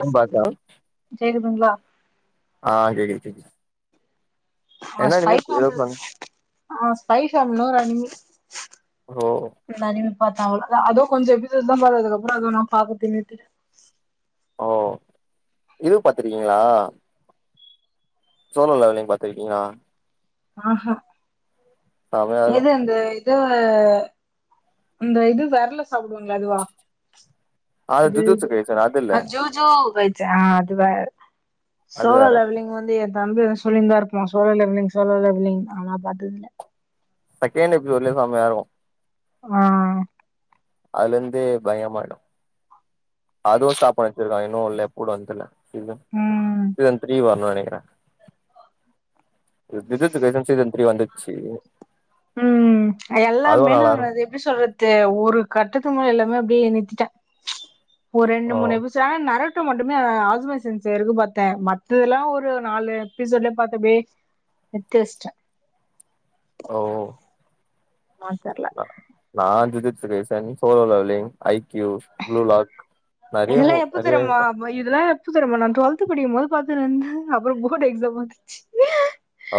[unintelligible] கேக்குதுங்களா ஆ கேக்கிது கேக்கிது ஏதோ பிளான் மா [unintelligible] ரோ பாத்தாங்கள அதோ கொஞ்சொ எபிசோட்ஸ் தா பாத்ததுக்கப்பறொ அதோ நா பாக்கறத நிறுத்திட்ட ஓ இது பாத்திருக்கீங்களா சோனொ லெவ்லிங் பாத்துருக்கீங்ளா ஆஹா செமையா எது இருக்கு அந்த த இந்த இது வெர்ல சாப்டுவாங்களே அதுவா அது ஜுஜுட்சு கைசன் அது இல்ல அ ஜூ ஜூ வ ஆஹ் அது வே அது வேற சோலால வல்லிங் வந்து வந்து சொல்லிந்தா இருப்போ சோலோ லிவ்விங் சோலோ லிவ்விங் ஆனா பாத்ததில்ல செகண்ட் எப்படி ஒருலே செமயா இருக்கு ஆஹ் அதுல இருந்தே பயங்கரமா இருக்கு அதுவு ஸ்டாப் பண்ண வச்சிருக்கா இன்னு உடல எப்ப வருந்தெர்ல சீசன் ம் சீசன் த்ரீ வரணு நெனைக்கறே இது டிடெக்டிவ் ஏஜென்சி இல்ல த்ரீ வந்துச்சு உம் அதுவு எல்லாமே நா நல்லா இருக்கு எப்படி சொல்றது ஒரு கட்டத்து முறை ல அப்படியே நிறுத்திட்டா ஒரு ஓ ரெண்டு மூனு எபிசோடு ஆனா நறு ட்டொ மட்டுமே [unintelligible] பாத்தே மத்தெல்லா ஒரு நாலு எபிசோட்லயே பாத்து அப்டியே நித்தி வச்ட்டே ஓ தெர்ல. நா நான் [unintelligible] சோலோ லவ்லிங் ஐ க்யு ப்ளுலாக் நறைய இதெல்லா மூ எப்ப நறைய தெரியுமா இதெல்லா எப்ப தரமா நான் டுவெல்த் படிக்கும்போது பாத்து இருந்தன் அப்புறம் போர்டு எக்ஸாம் வந்துச்சு ஓ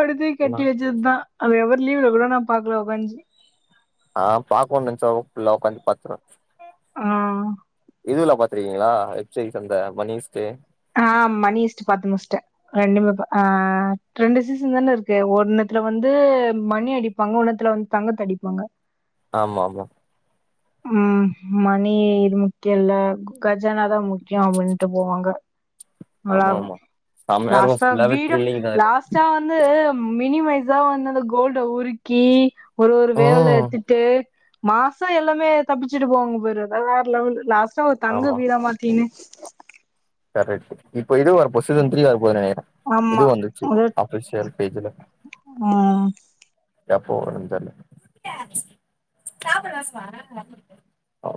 அடுத்து நா கட்டி வச்ச தா அ எ லீவ்ல கூட நா பாக்கலா கஞ்சி ஆஹ் பாக்கோணு நெனைச்சா ஊட்டுக்குள்ள உக்காந்து பாத்துருவ ஆஹ் இதுவுல பாத்துருக்கீங்களா வெப்சைட் அந்த மனிஸ்ட்டு ஆஹ் மணிஸ்ட்டு பாத்து முடிச்சிட்டே ரெண்டுமே ஆஹ் ரெண்டு சீசன் தானே இருக்கு ஒண்ணுத்துல வந்து மணி அடிப்பாங்க ஒன்னுத்துல வந்து தங்கத்த அடிப்பாங்க ஆமா ஆமா உம் மணி இது முக்கிய இல்ல கஜானாதா முக்கிய அப்படின்ட்டு போவாங்க நல்லா ஆமா ஆமா இருக்கு செமையா இருக்கு லாஸ்ட்டா ஃபுல்லாவே வீட த்ரில்லிங் தா அதுல லாஸ்டா வந்து மினிமைஸா வந்து அந்த கோல்ட உருக்கி ஒரு ஒரு வேவ்ல ம் எத்துட்டு மாசா எல்லா மே தப்பிச்சுட்டு போவாங்க போயரு வேற லெவல்லு லாஸ்ட் சோ ஒரு தங்க வீராமாத்தி கரெக்ட்டு இப்ப இது வரப்போ சீசன் த்ரீ வர போது நெனைக்கிறே இது வந்துர்ச்சு அஃபிஷியல் டருட் பேஜுல ஆஹ் எப்ப வருன் தெர்ல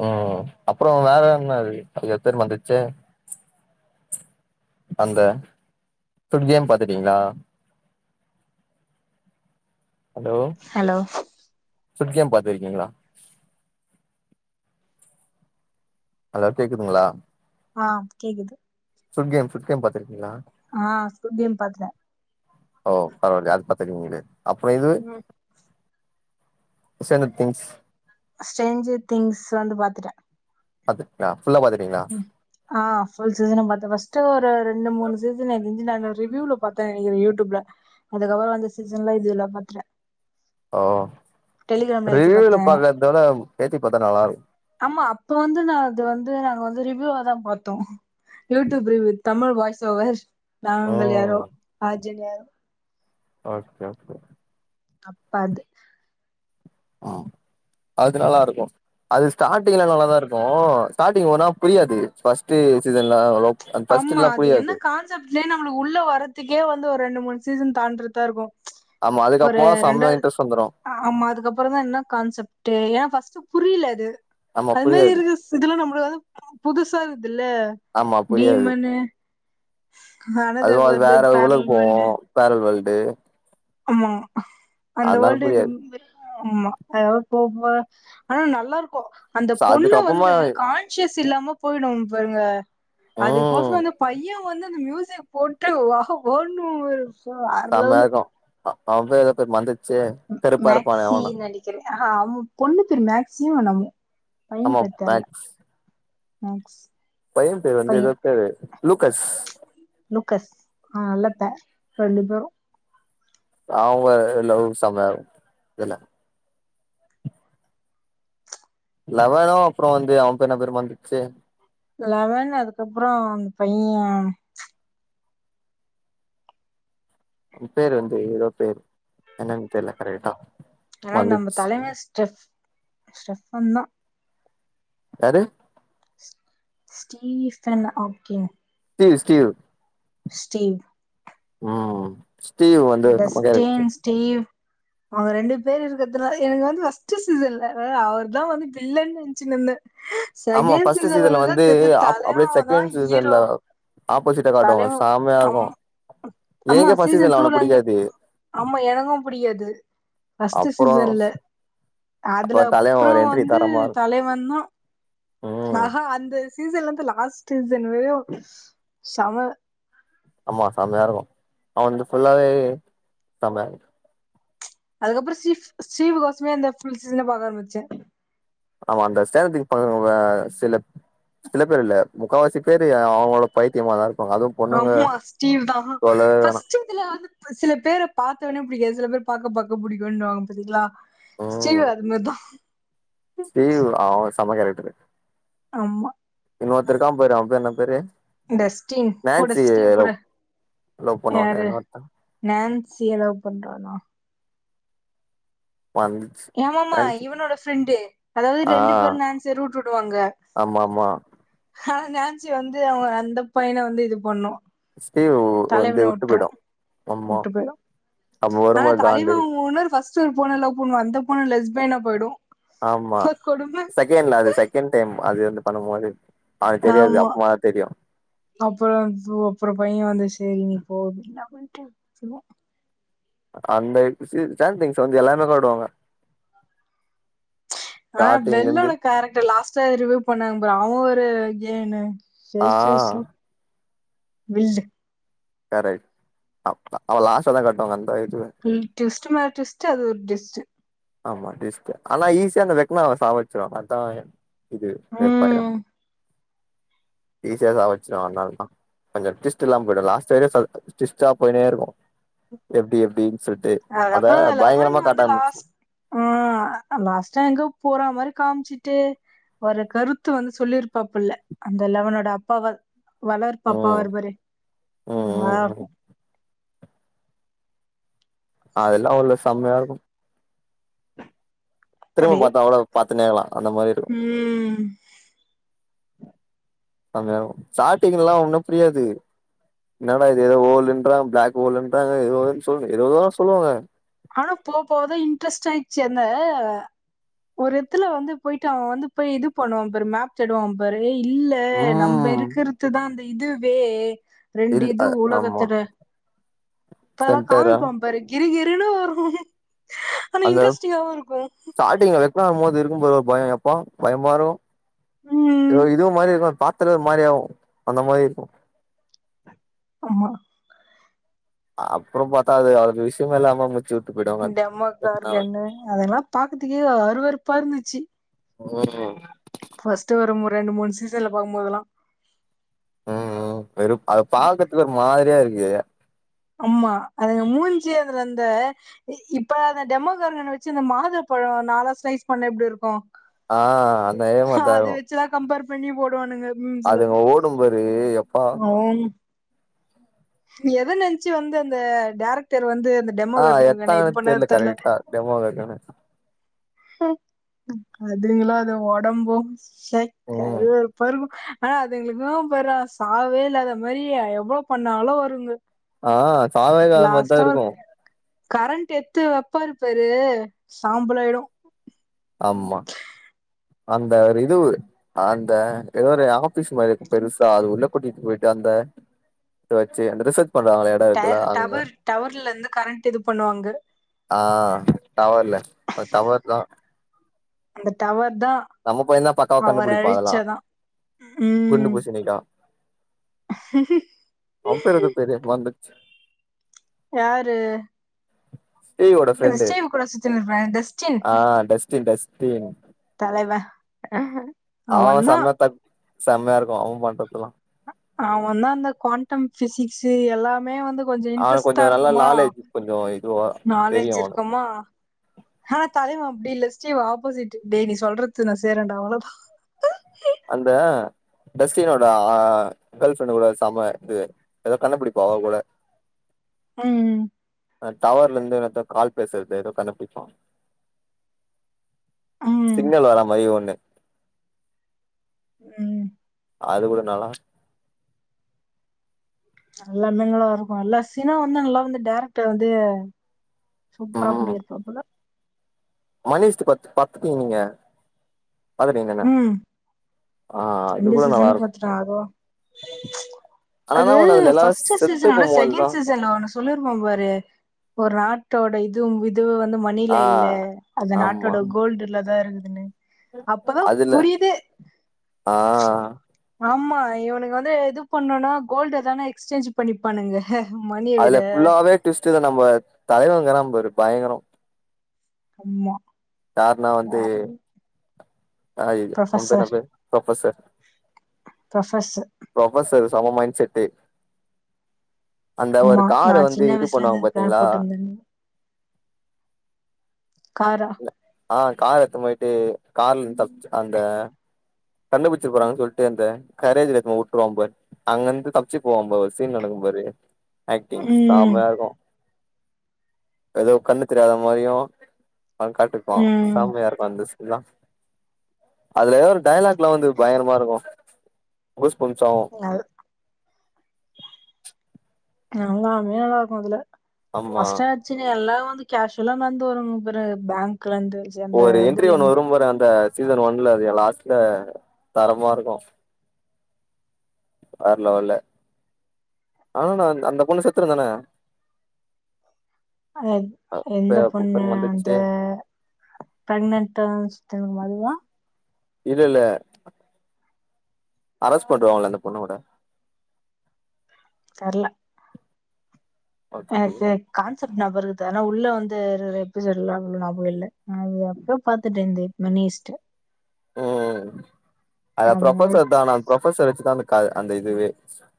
ஆஹ் அப்றோ வேற என்னது ஐயோ பேரு மறந்துர்சே அந்த ஃபுட் கேம் பாத்துடீங்ளா ஹலோ ஹலோ ஃபுட் கேம் பாத்துருக்கீங்ளா ஹலோ கேக்குதுங்ளா ஆஹ் கேக்குது ஃபுட் கேம் ஃபுட் கேம் பாத்துருக் கீங்ளா ஆ கேம் பாத்துட்டே ஓ பரவால்யே அது பாத் தெரியு வெளயாட அப்றோ இது சேன்ஜர் திங்ஸ் ஸ்ட்ரேஞ்ஜர் திங்ஸ் வந்து பாத்துடே அதுக்கா உம் ஆஹ் ஃபுல் சீசனு பாத்தே ஃபஸ்ட்டு ஒரு ரெண்டு மூணு சீசன்ல இ து நானு ரிவ்யூல பாத்தே ய யூட்டுப்ல அதுக்கப்பற வந்த சீசன்ல இது எல்லா பாதுட்டே ஓ டெலிகிராம்ல ஏத்தி ரிவ்யூல பாத்தே பாக்கறதோட பேத்தி பாத்தா நல்லா இருக்கு ஆமா அப்ப வந்து நா அது வந்து நாங்க வந் து ரிவ்யூவாதா பாத்தோ YouTube review Tamil voice over நாங்கள் யாரோ ம் அத் ஜெங்க ஓகே ஓகே அப்ப அது ஆஹ் அது நல்லாருக்கு அது ஸ்டாட்டிங்ல நல்லாதா இருக்கு ஸ்டாட்டிங் ஓனா புரியாது ஃபஸ்ட்டு சீசன்ல அவ்ளோ ஆம்மா அது என்ன கான்சப்ட்னே நம்மளுக்கு உள்ள வரத்துக்கே வந் ந்து ஒரு ரெண்டு மூணு சீசன் தாண்டுற்டாருக்கு ஆமா ஒரு அதுக்கப்புறோ ரெண்டா செம்ம இன்ட்ரெஸ்ட் வந்துரு அஹ் ஆமா அதுக்கப்பறதா என்ன கான்செப்டு ஏ ஃபஸ்ட்டு புரிய்ல அது ஆமா அது மாரி புரியாது இருக்குஸ் இதுலா நம்மளால புதுசா இருக்து தில்ல ஆமா புரியாது டிமனு அதுவு அது வேற உளகுக்கு பேரலல் வேர்ல்டு போவு பேரலல் வேல் டே ஆமா அந்த வேல்டு இது புரியாது [unintelligible] ஆமா அதாவது போ போ ஆனா நல்லாருக்கு அந்த சோ பொண்ணு அதுக்கப்புறமா வந்து கான்சியஸ் இல்லாம போயிடு பாருங்க அதுக்கோச ம் வந்து பைய வந்து அந்த மியூசிக் போட்டு வா ஓடணு [unintelligible] ஆ அவ [unintelligible] செ கருப்பாருப்பானே அவன ஆ பொண்ணு பேர் மேக்சியோ [unintelligible] ஆமா மேக்ஸ் மேக்ஸ் பைய பேரு வந்து எதோ பையன் பேரு லூக்கஸ் கஸ் நல்ல [unintelligible] ரெண்டு பேரு அவங்க [unintelligible] இல்ல லெவணனு அப்ற வந்து அவன் என்ன பேரு மறந்துச்சு லெவன் அதுக்கப்ற அந்த பைய பேரு வந்து எதோ பேரு என்னன் தெர்ல கரெக்டா ஆனா நம்ம மறந்துச்சு தலைவ [unintelligible] [unintelligible] யாரு [unintelligible] ஸ்டீவ் ஸ்டீவ் ஸ்டீவ் ம் ஸ்டீவ் வந்து நம்ம கேரக்ட்ரு அவ ரெண்டு பேர் இருக்கறத்துனால எனக்கு வந்து [unintelligible] சீசன்ல அவர் தா வந்து வில்லன்னு நெனச்சின்னுருந்தே ஆமா செகண்ட் ஃபர்ஸ்ட் சீசன் சீசன்ல வந்து தா ஆப் அப்படியே [unintelligible] தா செகண்ட் சீசன்ல ஹீரோ ஆப்போசிட்டா காட்டுவாங்க தலைவ செமையா ஆம் இருக்கு ஆமா எனக்கே ஃபர்ஸ்ட் சீசன் சீசன்ல அவன டூலந்து புடிக்காது ஆமா எனக்கு புடிக்காது ஃபஸ்ட்டு அப்புறோ சீசன்ல அதுல அப்ப தலைவ அப்ற ஒரு என்ட்ரி வந்து தரமா இருக்கு தலைவந்தா ஆ ம் ஹா அந்த சீசன்லந்து லாஸ்ட் சீசன் வரயு சம்ம ஆமா செமையாருக்கு அவன் வந்து ஃபுல்லாவே செம அதுக்கப்ற சீ சீ கோசமே அந்த ஃபுல் சீசன பாக்க ஆரம்பிச்சு ஆமா அந்த [unintelligible] அவங்க சில சில பேர் இல்ல முக்கவாசி பேரு அவங்களோட பைத்தியமாதா இரு ஆமா ஸ்டீவ் தா சொல்லவே வேணா ஃபஸ்ட் இதுல வந்து சில பேர பாத்த ஒடனே புடிக்காது சில பேர் பாக்க பாக்க புடிக்குன்னுவாங்க பாத்தீங்ளா ம் ஸ்டிவேர் அதுமாரிதா ஸ்டீவ் அவன் செம்ம கேரக் டர் ஆமா இங்கஒருதா இருக்கா பாரு அவன் பேரு என்ன பேரு இந்த ஸ்டின் கூட நான்சி ஸ்டீவ் கூட லவ் லவ் பண்ணுவானே யாரு இன்னொருத்த நன்சி லவ் பண்றானா வந்துச்சு ஆமா ஆமா நான்சி இவனோட ஃப்ரெண்டு அதாவது ஆ ரெண்டு பேரும் நன்சிய ரூட் விடுவாங்க ஆமா ஆமா ஆனா நன்சி வந்து அந்த பையன வந்து இது பண்ணு ஸ்டீவ் வந்து விட்டு போயிடூம் ஆமா விட்டு போயிடும் அப்ப வரும் ஆனா பாரு காண்டு தலைவன் அவங்க ஓனர் ஃபர்ஸ்ட் ஒரு பொண்ண லவ் பண்ணு அந்த பொண்ணு லெஸ்பியன்னா போய்டும் ஆமா செகண்ட்ல அது செகண்ட் டைம் அது வந்து பண்ணுமோது ஆமா அப்பறம் அப்புறம் பைய வந்துச்சு சரி நீ போ என்ன பட்டு அப்படி சொல்லுவா அந்த ச திங்ஸ் வந்து எல்லாமே சொல்லிடுவா அவ ஆனா வெள்ளோட கேரக்டர் லாஸ்ட்ட ரிவூ பண்ணாங்க பாரு அவ ஓர் கென்னு ஆ சேர் சேர் சேர் வில்லு கரெக்ட் அ அவ லாஸ்ட்டாதா காட்வாங்க அந்த இது ட்விஸ்ட் மேல ட்விஸ்ட் அது ஒரு ட்விஸ்ட்டு ஆமா ட்விஸ்டு ஆனா ஈஸியா அந்த வெக்னா அவ சாவடிச்சிருவா அதா இது வெர்ப்பாயிரு ம் ஈஸியா சாவச்சிருவாங்க அதுனாலதா கொஞ்ச ட்டிவிஸ்ட் இல்லாம போயிடு லாஸ்ட் வரியு சொ ட்விஸ்ட்டா போயினே இருக்கு எப்டி எப்டி சொலாட்டு அத அதுக்கப்புறம் அந்த லெவன் பயங்கரமா காட்ட வந்து ஆரம்பிச் லாஸ்ட் ஆ லாஸ்ட்டா எங்கோ போற மாரி காமிச்சுட்டு ஒரு கருத்து வந்து சொல்லிருப்பாப்புள்ள அந்த லெவனோட அப்பாவ வளர்ப்பு அப்பாவா ம் இருப்பாரே ம் ம் நல்லாருக்கு ம் அதெல்லா உள்ள செமையா இருக்கு திரும்ப அப்டியே பாத்தா அவள பாத் னேலா ம் அங்க ஸ்டாட்டிங் எல்லா ஒண்ணு புரியாது என்னடா இது ஏதோ வோலுன்றா பிளாக் ஹோலுன்றா ஏது சொல்ல ஏதோதோ சொல்லுவாங்க ஆனா போ போவதா இன்ட்ரெஸ்ட் ஆயிடுச்சு அந்த ஒரு எத்துல வந்து போயிட்டு அவ வந்து போய் இது பண்ணுவா பாரு மேப் தேடுவா பாரு இல்ல நம்ப ம் இருக்கிறதுதா அந்த இதுவே ரெண்டு இல் இது ஆமா உலகத்தட தல சென்டரா காம்பிப்போ பாரு கிருகிரு ஆனா இன்ட்ரெஸ்டிங்கவும் இருக்குங் ட்காரும் போது இருக்கும் போ ஒரு பயம் எப்பா பயமா ருக்கும் யொ ம் இதுவும் மாரி இருக்கும் பா அத்தது மாதிரி ஆகும் அந்த மாதிரி இருக்கும் அம்மா அப்புறம் பத்தாது அது விஷ்யம் ல்லாம முட்சு வி டெமோ கார்கன்னு அதெல்லா பார்கதுக்கே அறுவேறுப்பா இருந்துச்சு உம் ஃபர்ஸ்ட் ஒரு மு ரெண்டு மூணு சீசன்ல பாக்கும்போதல்லாம் உஹம் வெருப் அ பாக்கறதுக்கு ஒரு மாதிரியா இருக் ஏய அம்மா அதுங்க மூஞ்சு அதுல அந்த இப்ப அந்த டெமோ கார்கன் வச்சு அந்த மாதுள பழோ நாலா ஸ்னைஸ் பண்ண எப்டி இருக்கும் ஆஹ் நய மதாய ரு கம்பேர் பண்ணி போடுவானுங்க மீம்ஸ்ல அதுங்க ஓடுங்கபரு எப்பா எதை நினச்சு வந்து அந்த டேரக்டர் வந்து அந்த டெமோ ஆஹ் எத்த இருக்குங்க இது அணதது இல பண்ணது தெர்ல கரெக்டா டெமோக்கார்கன அதுங்களோ அத உடம்பு சை ம் கருவேருப்ப ருக்கு ஆ அது எங்களு துவும்போற சாவே இல்லாத மாதிரி எவ்வளோ ப நாலு வருங்க ஆஹ் சம ஆகதா மிரிதா லாஸ்ட்டா ஒரு இருக்கும் கரண்ட் எத்து வைப்பாருப்பாரு சாம்பலாயிடும் ஆமா அந்த ஒரு இது அந்த ஏதோ ஒரு ஆபிஸ் மாரி பெருசா அது உள்ள கூட்டிடு போயிட்டு அந்த இத வச்சு அந்த ரிசர் பண்றாங்கள இடம் ட இருக்குல அங்க டவர் டவர்ல இருந்து கரண்ட் இது பண்ணுவாங்க ஆஹ் டவவர்ல டவர் தா அந்த டவர் தா நம்ம பையந்தான் பக்காவா அவர் கண்டுபிடிபான் அதெல்லா அழிச்சதா ம் குண்டு பூசணிக்கா அம் பேரு பேரிய பிளான்தச்சு யாரு ஸ்டீவோட ஃப்ரெண்டு ஸ்டைம் கூட சுத்திடுயிபான் டஸ்டின் த் டஸ்ட்டு அஹ ஆஹ் சம்ம தக் செம்மையாருக்கு அவு பண்றதுல்லா அவந்தா அந்த குவாண்டம் ஃபிசிக்ஸு எல்லாமே வந்து கொஞ்சோ அவுனுக்கு இன்ட்ரெஸ்ட்டா கொஞ்சோ நல்லா இருக்குமா நாலேஜ் கொஞ்சோ இதுவு தெரியு அவுனு ஹ தலைவ அப்டி இல்ல ஸ்டீவ் ஆப்போசிட்டு டேய்‌ நீ சொல்றத்து நா சேய்றேண்டா அவ்ளதா அந்த டஸ்டினோட அ கேள் ஃப்ரெண்ட் கூட சம இது எதோ கண்டுபிடிப்பா அவ கூட ம் ம் அ டவர்லந்து எல்லாத்து கால் பேசறது எதோ கண்டுபிடிப்பா ம் சிக்னல் வராமாரி ஒண்ணு உம் அது கூட நல்லா நல்ல மிங்களலா இருக்குல்ல சினு வந்து நல்லா வந்து டேரக்ட்ட வந்து சூப்பரா பண்ணிருப்பாப்புள மணிஷ்டு பத்து பத்துடி நீங்க பாத்துட்டீங்தன ம் ரெண்டு சீசனு பாத்துட்டே அதுவு ஆனா என்ன அது ஒண்ணு அதுல எல்லாரு ஃபஸ்ட் செத்து சீசன விட போம்போதுதா செகண்ட் சீசன்ல ஒனு சொல்லிருப்பா பாரு ஒரு நாட்டோட இதுவு இ இதுவு வந்து ஆ மணில இல்ல அந்த ஆமா நாட்டோட கோல்டுலதா இருக்கு இன்னு அப்பதா புரியிது அ ஆம்மா இவனுங்க வந்து இது பண்ணணு கோல்டு எதானா எக்ஸ்சேஞ்ச் பண்ணிப்பானுங்க மணிய விட அதுல புல்லாவே டுவிஸ்டதா நம்ப தலைவங்கறாம் பரு பயங்கரோ அம்மா கார்ணோ வந்து ஆய்யயோ அவ பேரு என்ன ப்ரொஃபசர் பேரு ப்ரொஃபசர் ப்ரொஃபசர் ப்ரொஃபசர் சம மைண் செட்டு அந்த ஒரு ஆமா கார நா வந்து சின்ன இது வயசுல இருந்து பண்ணுவாங் பிளான் பாத்தீங்களா போட்டிருந்தேன் காரா ஆஹ் கார் எத்துன் போயி ட்டு கார்லந் தப்ச்சு அந்த கண்ணு குத்தீர போறாங்கன் சொல்ட்டு அந்த கரேஜ்ல எத் போ உட்ருவாம் பாரு அங்கந்து தப்ச்சு போவா பா ஒரு சீன் நடக்கும் பாரு ஏக்டிங் ம் செமயாருக்கூ எதோ கண்ணு தெரியாத மாரியு அவ காட்ருப்பா ம் செம்மையா இருக்கு அந்த சீ இதா அதுல ஒரு டையலாக்லா வந்து பயங்கரமா இருக்கு புஸ் பும் சாவு அது எல்லாமே நல்லார்க்கு அதுல ஆமா அஸ்ட்டாச்சுன்னு எல்லா வந்து கேஷ்வுல்லா நந்த் வரு முப்பரு பேங் ஓரு என்ட்ரி ஒண்ணு வரும் பாரு அந்தத் சீசன் ஒன்ல அதுல லாஸ்ட்ல தரமா ருக்கு வர்ல வர்ல ஆனா நான் அந்த பொண்ணு செத்துருந்தானே அதத் எந்த பொண்ணு அந்த மறந்துருச்சே ப்ரனன்ட்டா சுத்தின் வல்லா இல்லல்ல அரெஸ் பண்டுவாங்கள அந்த பொண்ணு கூட தர்ல அ ஓகே செர் கான்சப் நபருது ஆனா உள்ள வந்து எபிசோட்லா அவ்ளோ நாபு இல்ல அது அப்ரோ பாத்துட் இந்து மிணிஸ்ட்டு ம் அத ஆமா ப்ரஃபசர் நல்லாச்சு தானா ப்ரஃபசர் வச்சுதான்து க்காது அந்த இதுவே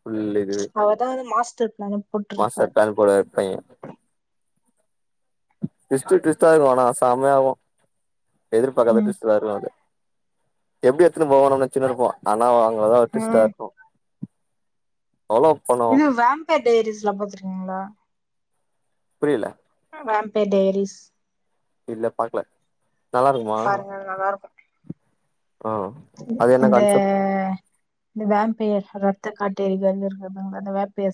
புல் இது அவர்தான் வந்து மாஸ்டர் பிளான் மாச போட்டிருப்பாரு கால் போட எத்தய்யு டிஷ்ட்டு டிஷ்ட்டாய் வேணா சம்மியாகு எதிர்பாக்காத ம், டிஷ் வர்லு அது எப்டி எடுத்துன்னு போவாணோ நெனச்சினே இருப்போ ஆனா அவ அதா வந்த்து ம். ஸ்டாக் ஹோம் அவ்ளோ பண [unintelligible] டைரிஸ்லா பாத்துருக்கீங்களா புரியல வாம்ப்பே டைரிஸ் இல்ல பாக்கல நல்லா இருக்குமா பாருங்க நல்லா இருக்கு ஆ அது என்ன இந்த கான்செப்ட் இந்த வேம்பயர் ரத்த காட்டேரிகள் இருக்கற மாரி அந்த வேம்பயர்ஸ்